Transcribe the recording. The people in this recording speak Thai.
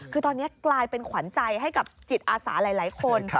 คือตอนนี้กลายเป็นขวัญใจให้กับจิตอาสาหลายคน